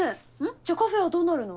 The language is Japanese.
じゃあカフェはどうなるの？